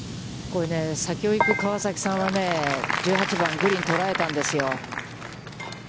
これ先を行く川崎さんは、１８番グリーンを捉えたんですよ。